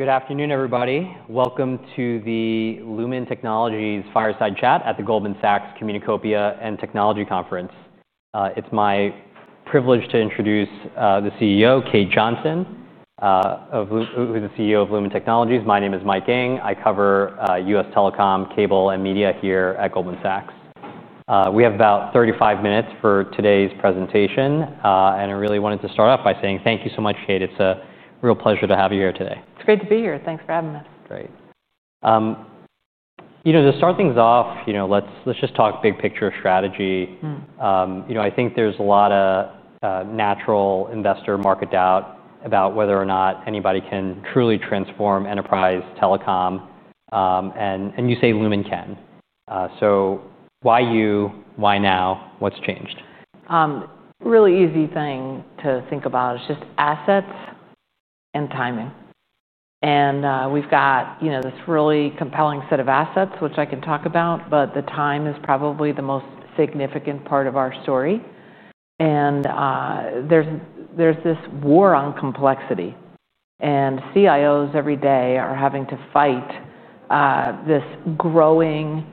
Good afternoon, everybody. Welcome to the Lumen Technologies fireside chat at the Goldman Sachs Communicopia and Technology Conference. It's my privilege to introduce the CEO, Kate Johnson, who's the CEO of Lumen Technologies. My name is Mike Ng. I cover U.S. telecom, cable, and media here at Goldman Sachs. We have about 35 minutes for today's presentation. I really wanted to start off by saying thank you so much, Kate. It's a real pleasure to have you here today. It's great to be here. Thanks for having us. Great. To start things off, let's just talk big picture strategy. I think there's a lot of natural investor market doubt about whether or not anybody can truly transform enterprise telecom. You say Lumen can. Why you? Why now? What's changed? really easy thing to think about is just assets and timing. We've got this really compelling set of assets, which I can talk about, but the time is probably the most significant part of our story. There is this war on complexity. CIOs every day are having to fight this growing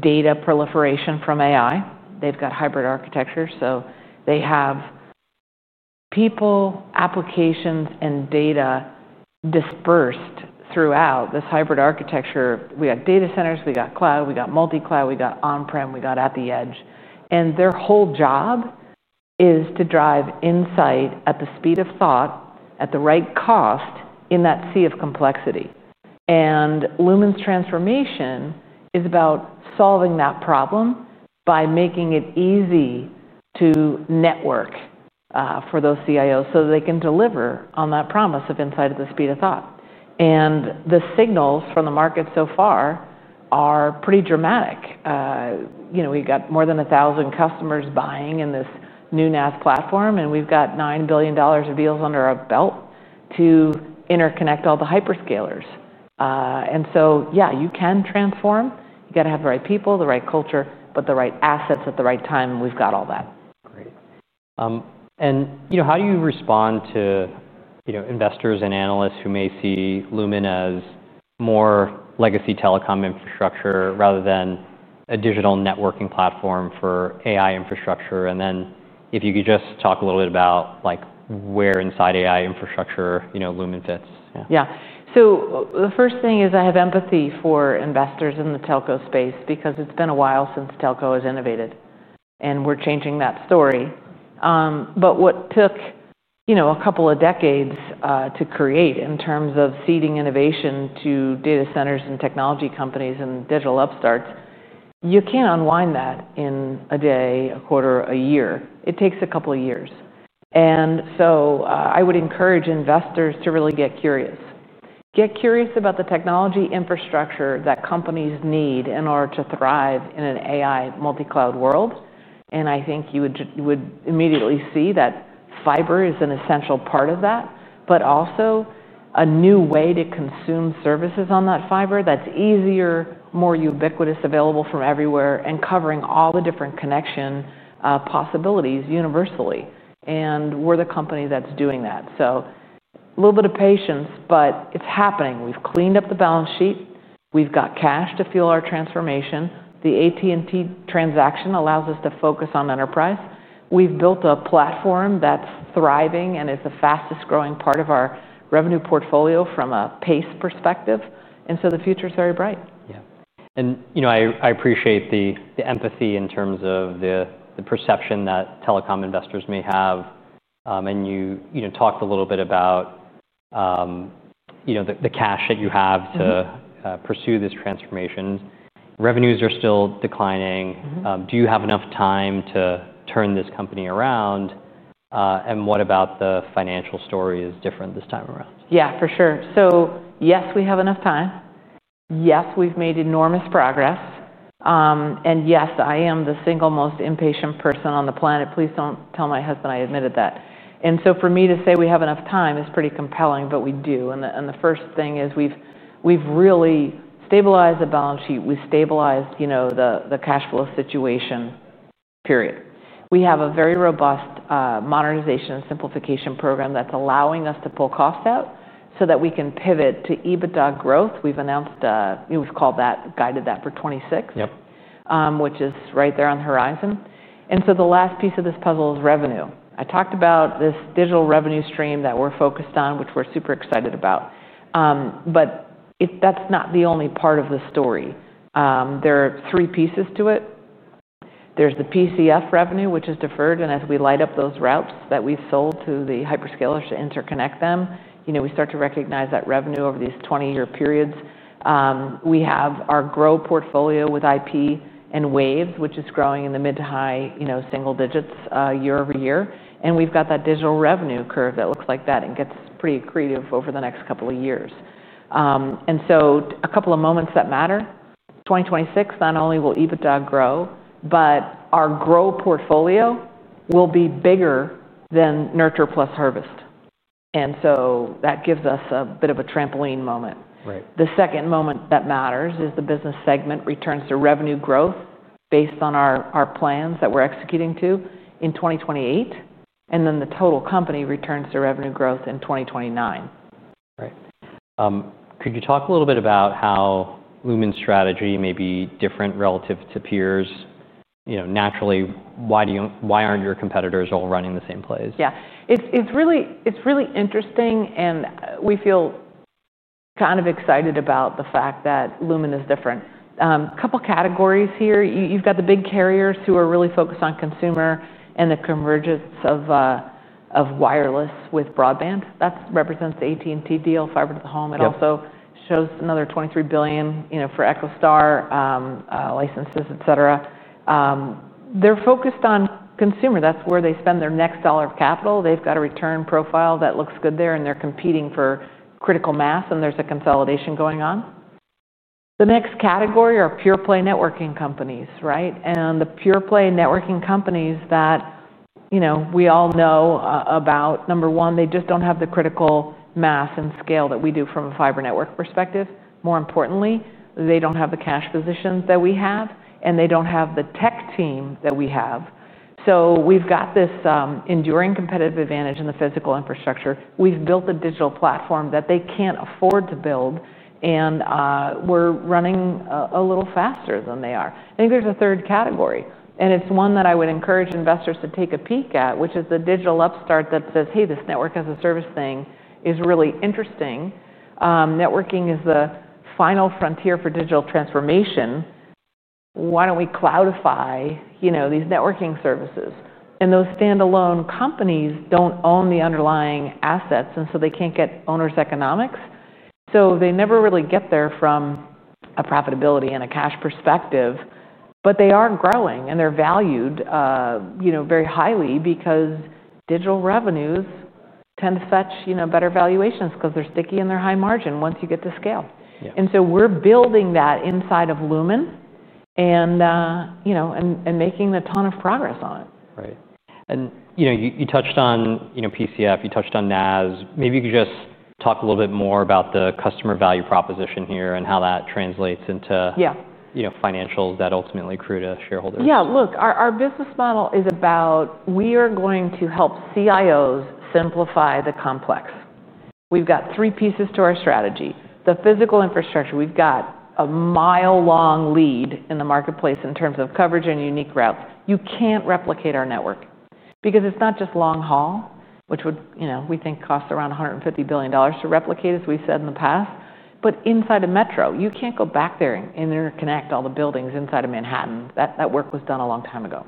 data proliferation from AI. They've got hybrid architectures, so they have people, applications, and data dispersed throughout this hybrid architecture. We've got data centers, we've got cloud, we've got multi-cloud, we've got on-prem, we've got at the edge. Their whole job is to drive insight at the speed of thought at the right cost in that sea of complexity. Lumen's transformation is about solving that problem by making it easy to network for those CIOs so that they can deliver on that promise of insight at the speed of thought. The signals from the market so far are pretty dramatic. We've got more than 1,000 customers buying in this new NAS platform, and we've got $9 billion of deals under our belt to interconnect all the hyperscalers. You can transform. You gotta have the right people, the right culture, but the right assets at the right time. We've got all that. Great. How do you respond to investors and analysts who may see Lumen as more legacy telecom infrastructure rather than a digital networking platform for AI infrastructure? If you could just talk a little bit about where inside AI infrastructure Lumen fits. Yeah. The first thing is I have empathy for investors in the telco space because it's been a while since telco has innovated, and we're changing that story. What took, you know, a couple of decades to create in terms of seeding innovation to data centers and technology companies and digital upstarts, you can't unwind that in a day, a quarter, a year. It takes a couple of years. I would encourage investors to really get curious. Get curious about the technology infrastructure that companies need in order to thrive in an AI multi-cloud world. I think you would immediately see that fiber is an essential part of that, but also a new way to consume services on that fiber that's easier, more ubiquitous, available from everywhere, and covering all the different connection possibilities universally. We're the company that's doing that. A little bit of patience, but it's happening. We've cleaned up the balance sheet. We've got cash to fuel our transformation. The AT&T transaction allows us to focus on enterprise. We've built a platform that's thriving, and it's the fastest growing part of our revenue portfolio from a pace perspective. The future is very bright. Yeah. I appreciate the empathy in terms of the perception that telecom investors may have. You talked a little bit about the cash that you have to pursue this transformation. Revenues are still declining. Do you have enough time to turn this company around? What about the financial story is different this time around? Yeah, for sure. Yes, we have enough time. Yes, we've made enormous progress, and yes, I am the single most impatient person on the planet. Please don't tell my husband I admitted that. For me to say we have enough time is pretty compelling, but we do. The first thing is we've really stabilized the balance sheet. We stabilized the cash flow situation, period. We have a very robust modernization and simplification program that's allowing us to pull costs out so that we can pivot to EBITDA growth. We've announced, we've called that, guided that for 2026. Yep. which is right there on the horizon. The last piece of this puzzle is revenue. I talked about this digital revenue stream that we're focused on, which we're super excited about, but that's not the only part of the story. There are three pieces to it. There's the PCF revenue, which is deferred. As we light up those routes that we've sold to the hyperscalers to interconnect them, we start to recognize that revenue over these 20-year periods. We have our grow portfolio with IP and waves, which is growing in the mid to high single digits, year over year. We've got that digital revenue curve that looks like that and gets pretty creative over the next couple of years. A couple of moments that matter: 2026, not only will EBITDA grow, but our grow portfolio will be bigger than nurture plus harvest. That gives us a bit of a trampoline moment. Right. The second moment that matters is the business segment returns to revenue growth based on our plans that we're executing to in 2028. The total company returns to revenue growth in 2029. Right. Could you talk a little bit about how Lumen's strategy may be different relative to peers? You know, naturally, why do you, why aren't your competitors all running the same plays? Yeah. It's really interesting, and we feel kind of excited about the fact that Lumen is different. A couple of categories here. You've got the big carriers who are really focused on consumer and the convergence of wireless with broadband. That represents the AT&T deal, fiber to the home. It also shows another $23 billion, you know, for EchoStar, licenses, etcetera. They're focused on consumer. That's where they spend their next dollar of capital. They've got a return profile that looks good there, and they're competing for critical mass, and there's a consolidation going on. The next category are pure play networking companies, right? On the pure play networking companies that, you know, we all know about, number one, they just don't have the critical mass and scale that we do from a fiber network perspective. More importantly, they don't have the cash positions that we have, and they don't have the tech team that we have. We've got this enduring competitive advantage in the physical infrastructure. We've built a digital platform that they can't afford to build, and we're running a little faster than they are. I think there's a third category, and it's one that I would encourage investors to take a peek at, which is the digital upstart that says, hey, this Network-as-a-Service thing is really interesting. Networking is the final frontier for digital transformation. Why don't we cloudify, you know, these networking services? Those standalone companies don't own the underlying assets, and so they can't get owners economics. They never really get there from a profitability and a cash perspective, but they are growing, and they're valued, you know, very highly because digital revenues tend to fetch, you know, better valuations because they're sticky and they're high margin once you get to scale. Yeah. We're building that inside of Lumen and making a ton of progress on it. Right. You touched on PCF, you touched on NAS. Maybe you could just talk a little bit more about the customer value proposition here and how that translates into. Yeah. You know, financial that ultimately accrue to shareholders. Yeah. Look, our business model is about we are going to help CIOs simplify the complex. We've got three pieces to our strategy. The physical infrastructure, we've got a mile-long lead in the marketplace in terms of coverage and unique routes. You can't replicate our network because it's not just long haul, which would, you know, we think costs around $150 billion to replicate, as we've said in the past. Inside a metro, you can't go back there and interconnect all the buildings inside of Manhattan. That work was done a long time ago.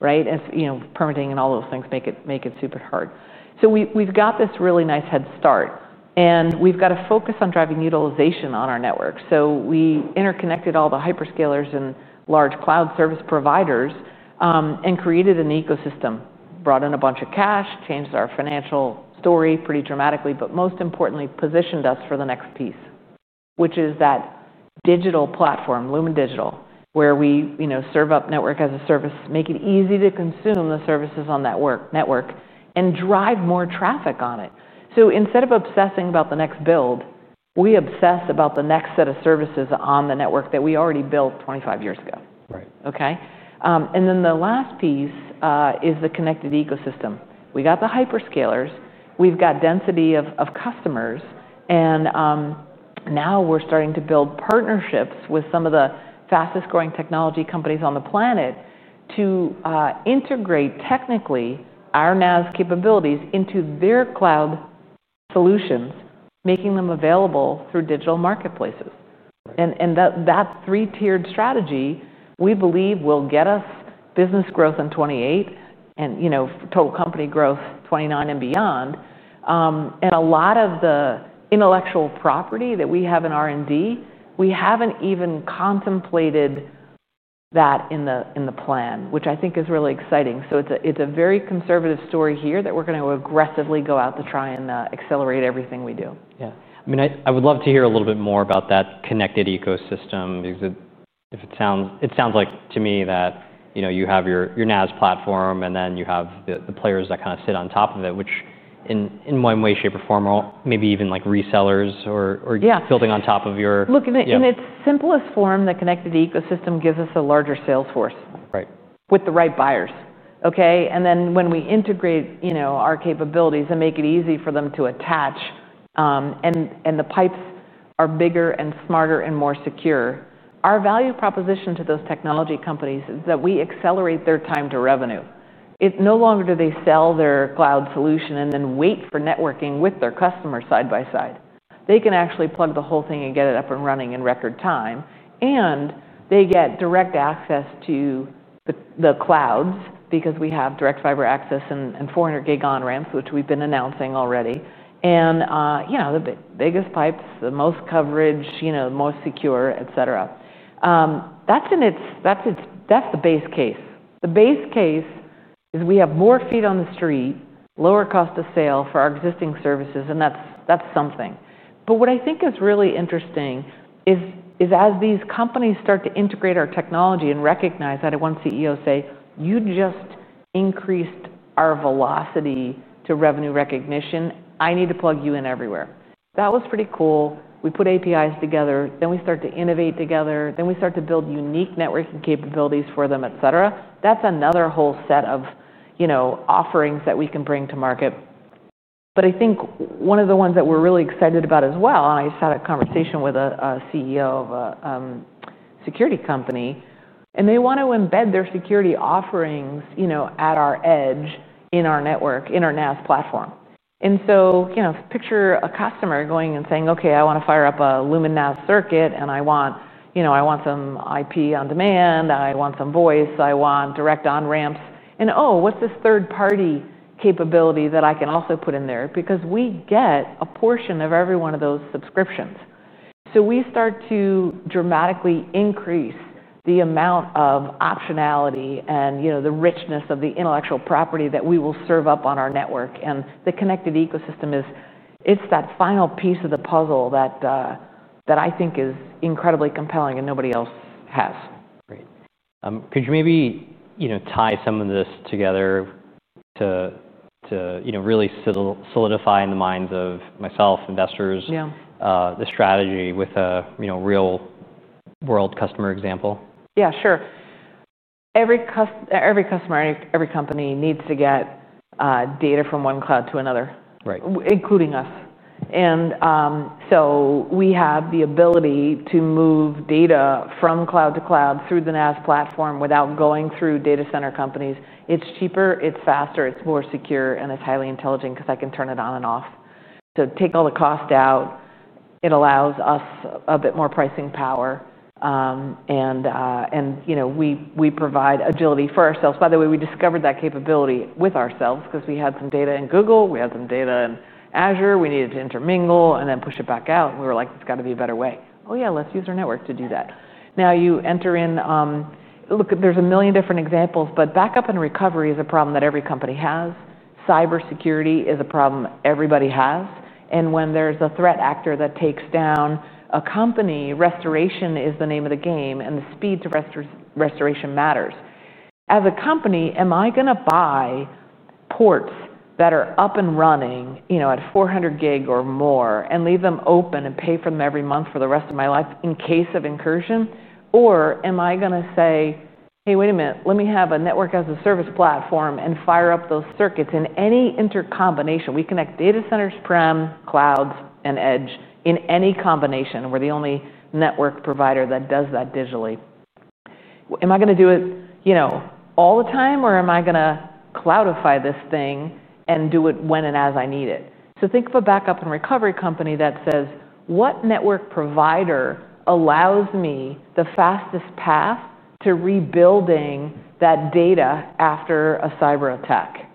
If, you know, permitting and all those things make it make it super hard. We've got this really nice head start, and we've got to focus on driving utilization on our network. We interconnected all the hyperscalers and large cloud service providers, and created an ecosystem, brought in a bunch of cash, changed our financial story pretty dramatically, but most importantly, positioned us for the next piece, which is that digital platform, Lumen Digital, where we, you know, serve up Network-as-a-Service, make it easy to consume the services on that network, and drive more traffic on it. Instead of obsessing about the next build, we obsess about the next set of services on the network that we already built 25 years ago. Right. Okay, and then the last piece is the connected ecosystem. We got the hyperscalers, we've got density of customers, and now we're starting to build partnerships with some of the fastest growing technology companies on the planet to integrate technically our NAS capabilities into their cloud solutions, making them available through digital marketplaces. That three-tiered strategy, we believe, will get us business growth in 2028 and, you know, total company growth 2029 and beyond. A lot of the intellectual property that we have in R&D, we haven't even contemplated that in the plan, which I think is really exciting. It's a very conservative story here that we're going to aggressively go out to try and accelerate everything we do. Yeah. I mean, I would love to hear a little bit more about that connected ecosystem because it sounds like to me that, you know, you have your NAS platform and then you have the players that kind of sit on top of it, which in one way, shape, or form, or maybe even like resellers or. Yeah. Building on top of your. Look, in its simplest form, the connected ecosystem gives us a larger sales force. Right. With the right buyers. When we integrate our capabilities and make it easy for them to attach, and the pipes are bigger and smarter and more secure, our value proposition to those technology companies is that we accelerate their time to revenue. No longer do they sell their cloud solution and then wait for networking with their customer side by side. They can actually plug the whole thing in and get it up and running in record time, and they get direct access to the clouds because we have direct fiber access and 400 gig on ramps, which we've been announcing already. The biggest pipes, the most coverage, the most secure, etc. That's the base case. The base case is we have more feet on the street, lower cost of sale for our existing services, and that's something. What I think is really interesting is as these companies start to integrate our technology and recognize that, I want CEOs to say, you just increased our velocity to revenue recognition. I need to plug you in everywhere. That was pretty cool. We put APIs together, then we start to innovate together, then we start to build unique networking capabilities for them, etc. That's another whole set of offerings that we can bring to market. I think one of the ones that we're really excited about as well, and I just had a conversation with a CEO of a security company, and they want to embed their security offerings at our edge in our network, in our NAS platform. Picture a customer going and saying, okay, I want to fire up a Lumen NAS circuit, and I want some IP on demand, I want some voice, I want direct on ramps, and oh, what's this third-party capability that I can also put in there? We get a portion of every one of those subscriptions. We start to dramatically increase the amount of optionality and the richness of the intellectual property that we will serve up on our network. The connected ecosystem is that final piece of the puzzle that I think is incredibly compelling and nobody else has. Right. Could you maybe tie some of this together to really solidify in the minds of myself, investors. Yeah. the strategy with a real world customer example. Yeah. Sure. Every customer, every company needs to get data from one cloud to another. Right. Including us. We have the ability to move data from cloud to cloud through the NAS platform without going through data center companies. It's cheaper, it's faster, it's more secure, and it's highly intelligent because I can turn it on and off. Take all the cost out. It allows us a bit more pricing power, and we provide agility for ourselves. By the way, we discovered that capability with ourselves because we had some data in Google, we had some data in Azure, we needed to intermingle and then push it back out. We were like, it's gotta be a better way. Oh, yeah. Let's use our network to do that. Now you enter in, look, there's a million different examples, but backup and recovery is a problem that every company has. Cybersecurity is a problem everybody has. When there's a threat actor that takes down a company, restoration is the name of the game, and the speed to restoration matters. As a company, am I going to buy ports that are up and running at 400 gig or more and leave them open and pay for them every month for the rest of my life in case of incursion? Or am I going to say, hey, wait a minute, let me have a Network-as-a-Service platform and fire up those circuits in any intercombination. We connect data centers, prem, clouds, and edge in any combination, and we're the only network provider that does that digitally. Am I going to do it all the time, or am I going to cloudify this thing and do it when and as I need it? Think of a backup and recovery company that says, what network provider allows me the fastest path to rebuilding that data after a cyber attack?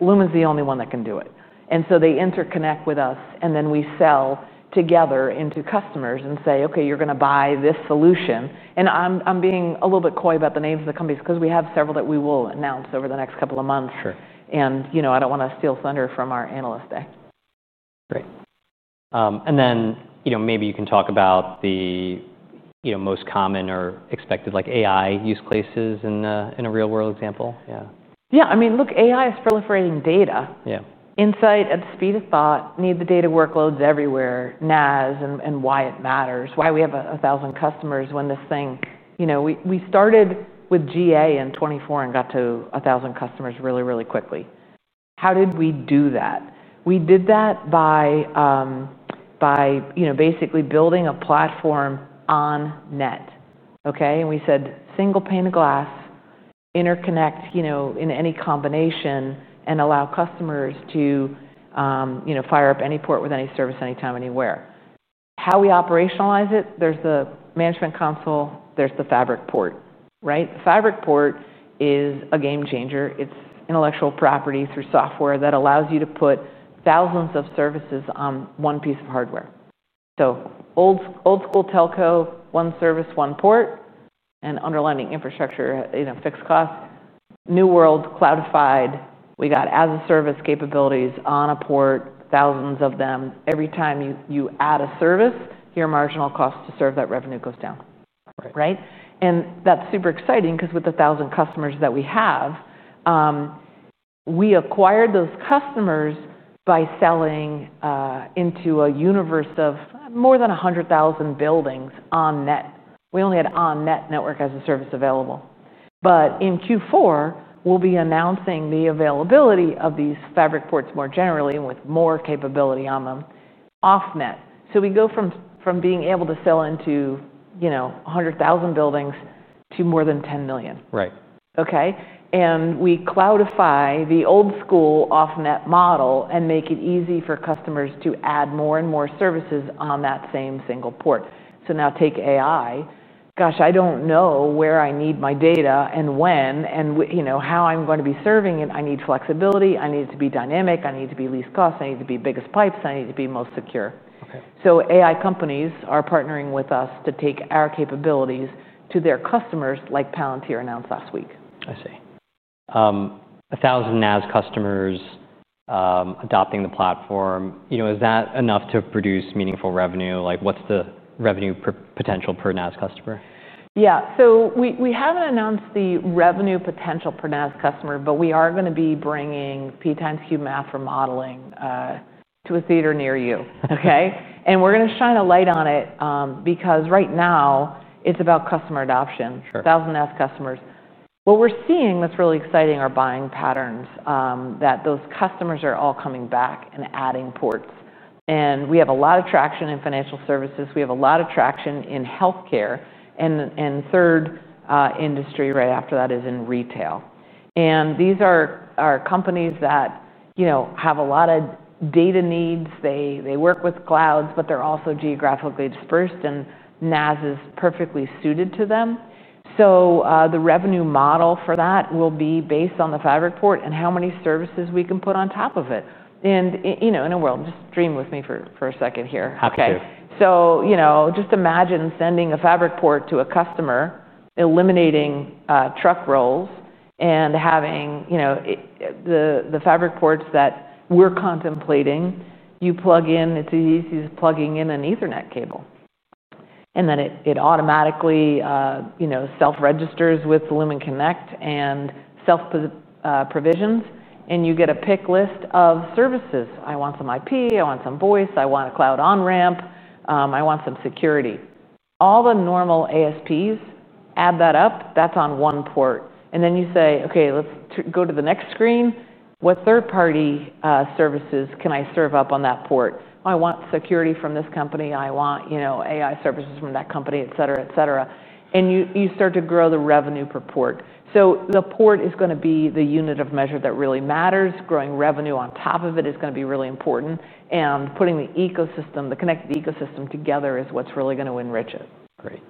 Lumen is the only one that can do it. They interconnect with us, and then we sell together into customers and say, okay, you're going to buy this solution. I'm being a little bit coy about the names of the companies because we have several that we will announce over the next couple of months. Sure. I don't wanna steal thunder from our analyst day. Right. Maybe you can talk about the most common or expected, like, AI use cases in a real-world example. Yeah. Yeah, I mean, look, AI is proliferating data. Yeah. Insight at the speed of thought, need the data workloads everywhere, NAS, and why it matters, why we have a thousand customers when this thing, you know, we started with GA in 2024 and got to a thousand customers really, really quickly. How did we do that? We did that by basically building a platform on net. Okay? We said single pane of glass, interconnect in any combination, and allow customers to fire up any port with any service, anytime, anywhere. How we operationalize it, there's the management console, there's the fabric port. The fabric port is a game changer. It's intellectual property through software that allows you to put thousands of services on one piece of hardware. Old school telco, one service, one port, and underlying infrastructure, fixed cost. New world, cloudified, we got as a service capabilities on a port, thousands of them. Every time you add a service, your marginal cost to serve that revenue goes down. Right. Right? That's super exciting because with a thousand customers that we have, we acquired those customers by selling into a universe of more than 100,000 buildings on net. We only had on net Network-as-a-Service available. In Q4, we'll be announcing the availability of these fabric ports more generally and with more capability on them off net. We go from being able to sell into 100,000 buildings to more than 10 million. Right. Okay. We cloudify the old school off net model and make it easy for customers to add more and more services on that same single port. Now take AI. Gosh, I don't know where I need my data and when, and, you know, how I'm going to be serving it. I need flexibility, I need it to be dynamic, I need it to be least cost, I need it to be biggest pipes, I need it to be most secure. Okay. AI companies are partnering with us to take our capabilities to their customers, like Palantir announced last week. I see. A thousand NAS customers adopting the platform. You know, is that enough to produce meaningful revenue? Like, what's the revenue potential per NAS customer? Yeah. We haven't announced the revenue potential per NAS customer, but we are going to be bringing P times Q math for modeling to a theater near you, okay? We're going to shine a light on it, because right now it's about customer adoption. Sure. A thousand enough customers. What we're seeing that's really exciting are buying patterns, that those customers are all coming back and adding ports. We have a lot of traction in financial services, a lot of traction in healthcare, and third, industry right after that is in retail. These are companies that, you know, have a lot of data needs. They work with clouds, but they're also geographically dispersed, and NAS is perfectly suited to them. The revenue model for that will be based on the fabric port and how many services we can put on top of it. You know, in a world, just dream with me for a second here. Happy to. Imagine sending a fabric port to a customer, eliminating truck rolls, and having the fabric ports that we're contemplating. You plug in, it's as easy as plugging in an Ethernet cable. It automatically self-registers with Lumen Connect and self-provisions, and you get a pick list of services. I want some IP, I want some voice, I want a cloud on ramp, I want some security. All the normal ASPs add that up, that's on one port. You say, okay, let's go to the next screen. What third-party services can I serve up on that port? I want security from this company. I want AI services from that company, etcetera, etcetera. You start to grow the revenue per port. The port is going to be the unit of measure that really matters. Growing revenue on top of it is going to be really important. Putting the ecosystem, the connected ecosystem together is what's really going to enrich it. Great.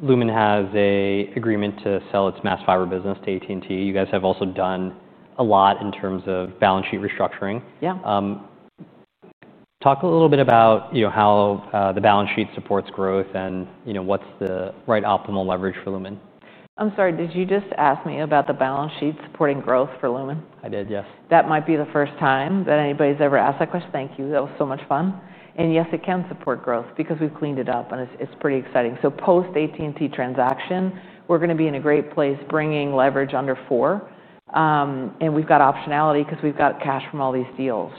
Lumen has an agreement to sell its mass fiber business to AT&T. You guys have also done a lot in terms of balance sheet restructuring. Yeah. Talk a little bit about how the balance sheet supports growth and what's the right optimal leverage for Lumen. I'm sorry. Did you just ask me about the balance sheet supporting growth for Lumen? I did, yes. That might be the first time that anybody's ever asked that question. Thank you. That was so much fun. Yes, it can support growth because we've cleaned it up, and it's pretty exciting. Post-AT&T transaction, we're going to be in a great place bringing leverage under 4, and we've got optionality because we've got cash from all these deals.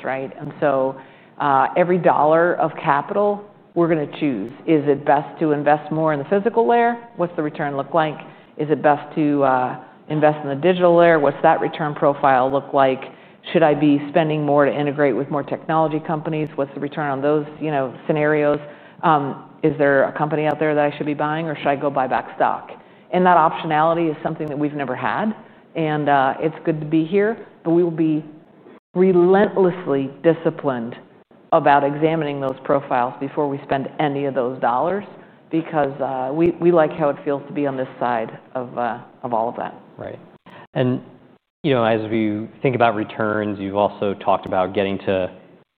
Every dollar of capital, we're going to choose: is it best to invest more in the physical layer? What's the return look like? Is it best to invest in the digital layer? What's that return profile look like? Should I be spending more to integrate with more technology companies? What's the return on those scenarios? Is there a company out there that I should be buying, or should I go buy back stock? That optionality is something that we've never had. It's good to be here, but we will be relentlessly disciplined about examining those profiles before we spend any of those dollars because we like how it feels to be on this side of all of that. Right. As we think about returns, you've also talked about getting to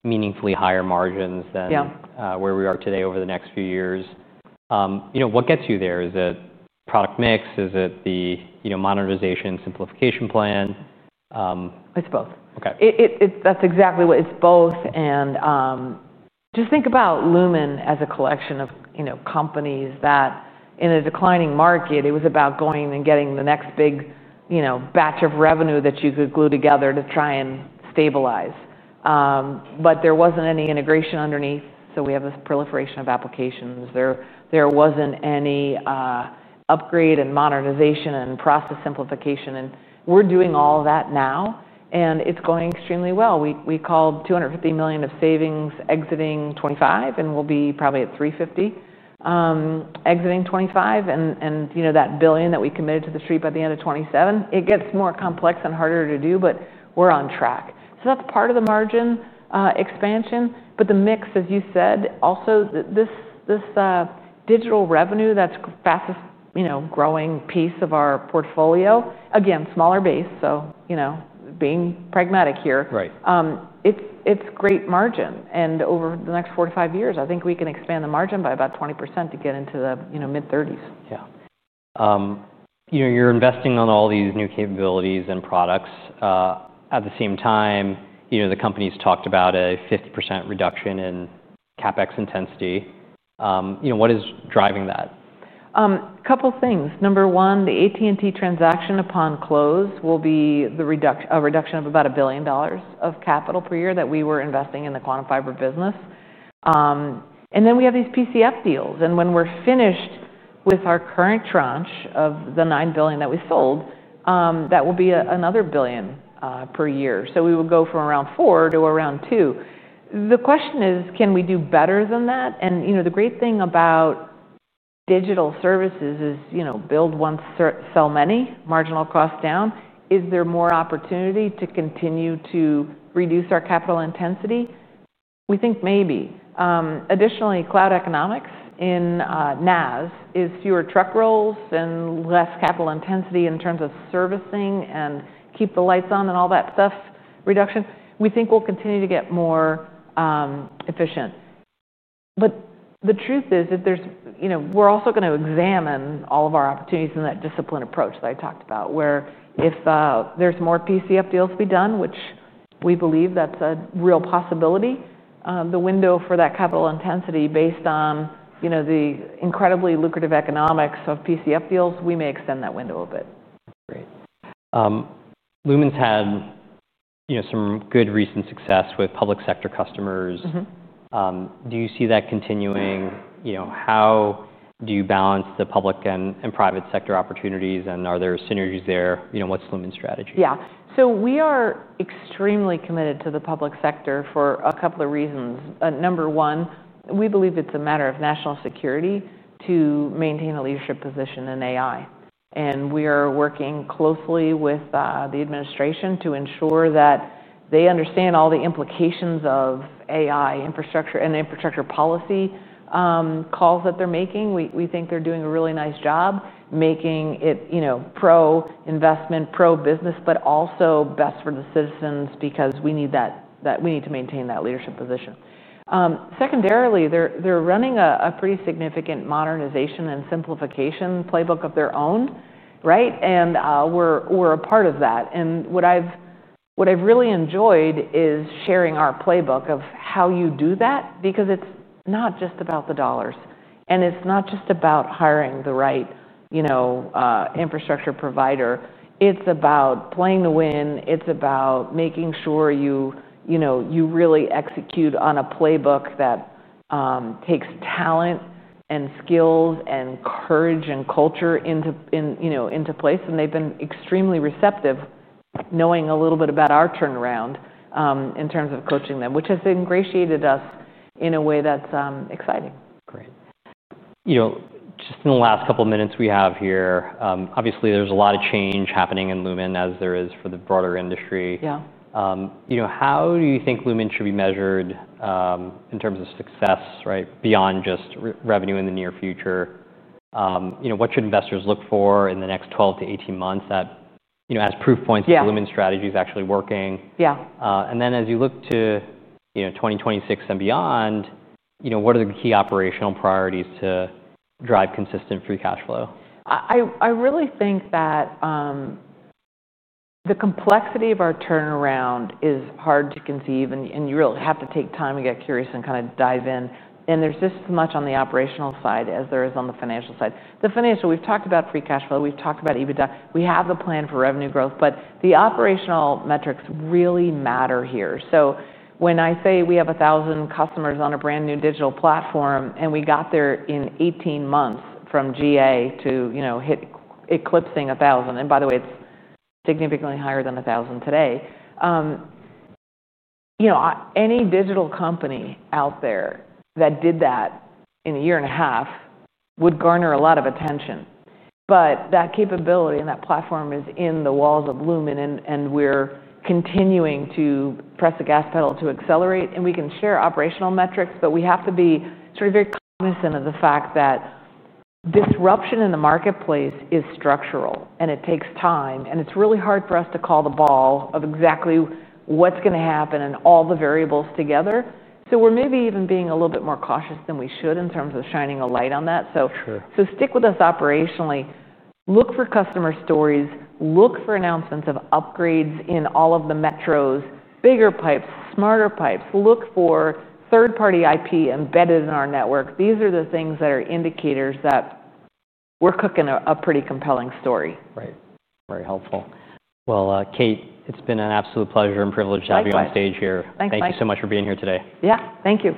meaningfully higher margins than. Yeah. Where we are today over the next few years, what gets you there? Is it product mix? Is it the modernization simplification plan? It's both. Okay. It's that's exactly what it's both. Just think about Lumen Technologies as a collection of, you know, companies that in a declining market, it was about going and getting the next big, you know, batch of revenue that you could glue together to try and stabilize, but there wasn't any integration underneath. We have this proliferation of applications. There wasn't any upgrade and modernization and process simplification. We're doing all of that now, and it's going extremely well. We called $250 million of savings exiting 2025, and we'll be probably at $350 million, exiting 2025. You know, that $1 billion that we committed to the street by the end of 2027, it gets more complex and harder to do, but we're on track. That's part of the margin expansion. The mix, as you said, also this digital revenue that's fastest, you know, growing piece of our portfolio. Again, smaller base. You know, being pragmatic here. Right. It's great margin. Over the next four to five years, I think we can expand the margin by about 20% to get into the mid-thirties. Yeah, you know, you're investing on all these new capabilities and products. At the same time, you know, the company's talked about a 50% reduction in CapEx intensity. You know, what is driving that? A couple of things. Number one, the AT&T transaction upon close will be the reduction, a reduction of about $1 billion of capital per year that we were investing in the quantum fiber business. Then we have these PCF deals. When we're finished with our current tranche of the $9 billion that we sold, that will be another $1 billion per year. We will go from around $4 billion to around $2 billion. The question is, can we do better than that? You know, the great thing about digital services is, you know, build once, sell many, marginal cost down. Is there more opportunity to continue to reduce our capital intensity? We think maybe. Additionally, cloud economics in NAS is fewer truck rolls and less capital intensity in terms of servicing and keep the lights on and all that stuff reduction. We think we'll continue to get more efficient. The truth is that we're also going to examine all of our opportunities in that disciplined approach that I talked about, where if there's more PCF deals to be done, which we believe that's a real possibility, the window for that capital intensity based on, you know, the incredibly lucrative economics of PCF deals, we may extend that window a bit. Great. Lumen's had some good recent success with public sector customers. Mhmm. Do you see that continuing? How do you balance the public and private sector opportunities, and are there synergies there? What's Lumen's strategy? Yeah. We are extremely committed to the public sector for a couple of reasons. Number one, we believe it's a matter of national security to maintain a leadership position in AI. We are working closely with the administration to ensure that they understand all the implications of AI infrastructure and infrastructure policy calls that they're making. We think they're doing a really nice job making it pro-investment, pro-business, but also best for the citizens because we need to maintain that leadership position. Secondarily, they're running a pretty significant modernization and simplification playbook of their own, right? We're a part of that. What I've really enjoyed is sharing our playbook of how you do that because it's not just about the dollars, and it's not just about hiring the right infrastructure provider. It's about playing to win. It's about making sure you really execute on a playbook that takes talent and skills and courage and culture into place. They've been extremely receptive knowing a little bit about our turnaround in terms of coaching them, which has ingratiated us in a way that's exciting. Great. You know, just in the last couple of minutes we have here, obviously, there's a lot of change happening in Lumen Technologies as there is for the broader industry. Yeah. You know, how do you think Lumen should be measured, in terms of success, right, beyond just revenue in the near future? You know, what should investors look for in the next 12 to 18 months that, you know, as proof points. Yeah. Lumen's strategy is actually working? Yeah. As you look to 2026 and beyond, what are the key operational priorities to drive consistent free cash flow? I really think that the complexity of our turnaround is hard to conceive, and you really have to take time and get curious and kind of dive in. There's just as much on the operational side as there is on the financial side. The financial, we've talked about free cash flow, we've talked about EBITDA. We have the plan for revenue growth, but the operational metrics really matter here. When I say we have a thousand customers on a brand new digital platform, and we got there in 18 months from GA to, you know, hit eclipsing a thousand. By the way, it's significantly higher than a thousand today. You know, any digital company out there that did that in a year and a half would garner a lot of attention. That capability and that platform is in the walls of Lumen, and we're continuing to press the gas pedal to accelerate. We can share operational metrics, but we have to be sort of very cognizant of the fact that disruption in the marketplace is structural, and it takes time, and it's really hard for us to call the ball of exactly what's going to happen and all the variables together. We are maybe even being a little bit more cautious than we should in terms of shining a light on that. Sure. Stick with us operationally. Look for customer stories. Look for announcements of upgrades in all of the metros, bigger pipes, smarter pipes. Look for third-party IP embedded in our network. These are the things that are indicators that we're cooking a pretty compelling story. Right. Very helpful. Kate, it's been an absolute pleasure and privilege to have you on stage here. Thanks, guys. Thank you so much for being here today. Yeah, thank you.